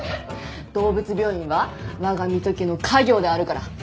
動物病院は我が三戸家の家業であるから。